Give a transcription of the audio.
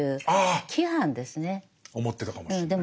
思ってたかもしれない。